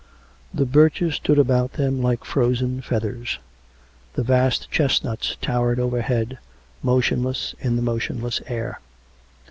The birches stood about them like frozen feathers; the vast chestnuts towered overhead, motionless in the motionless air.